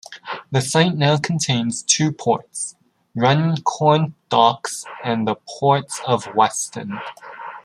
The site now contains two ports, Runcorn Docks and the Port of Weston.